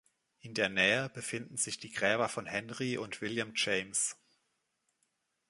In der Nähe befinden sich die Gräber von Henry und William James.